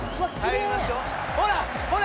ほら！